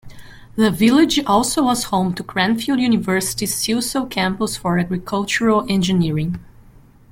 The village also was home to Cranfield University's Silsoe campus for agricultural engineering.